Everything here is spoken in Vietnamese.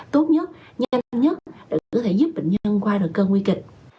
tốt nhất nhanh nhất để có thể giúp bệnh nhân trở lại